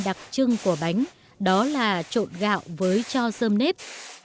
đặc trưng của bánh đó là trộn gạo với cho dơm nếp